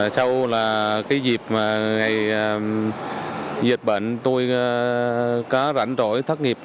sau là cái dịp ngày dịch bệnh tôi có rảnh rỗi thất nghiệp